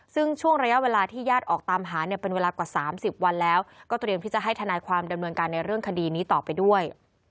ซึ่งช่วงระยะเวลาที่ญาติออกตามหาเนี่ยเป็นเวลากว่า๓๐วันแล้วก็เตรียมที่จะให้ทนายความดำเนินการในเรื่องคดีนี้ต่อไปด้วย